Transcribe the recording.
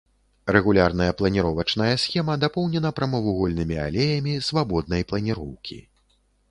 Рэгулярная планіровачная схема дапоўнена прамавугольнымі алеямі свабоднай планіроўкі.